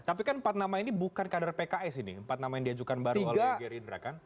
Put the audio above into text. tapi kan empat nama ini bukan kader pks ini empat nama yang diajukan baru oleh gerindra kan